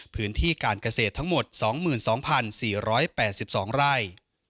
พื้นที่การเกษตรทั้งหมด๒๒๔๘๒ไร่